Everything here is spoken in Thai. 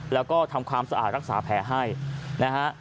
แล้วก็ทำความสะอาดรักษาแผลให้นะฮะ